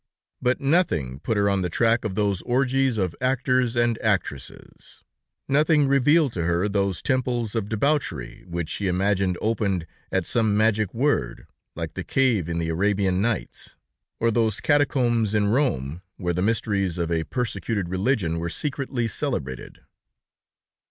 But nothing put her on the track of those orgies of actors and actresses; nothing revealed to her those temples of debauchery which she imagined opened at some magic word, like the cave in the Arabian Nights, or those catacombs in Rome, where the mysteries of a persecuted religion were secretly celebrated.